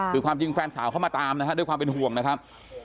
คือความจริงแฟนสาวเข้ามาตามนะฮะด้วยความเป็นห่วงนะครับ